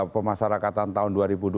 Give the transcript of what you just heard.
pemasarakatan tahun dua ribu dua puluh